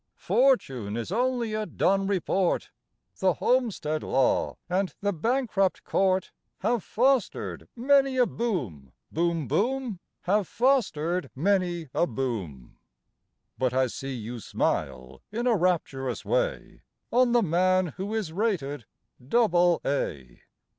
Fortune is only a Dun report; The Homestead Law and the Bankrupt Court Have fostered many a boom, Boom, boom! Have fostered many a boom. (But I see you smile in a rapturous way On the man who is rated double A.)